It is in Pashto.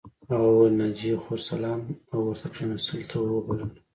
هغه وویل ناجیه خور سلام او ورته کښېناستلو ته ور وبلله